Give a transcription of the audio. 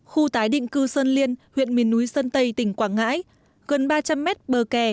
khu tái định cư sơn liên huyện miền núi sơn tây tỉnh quảng ngãi gần ba trăm linh mét bờ kè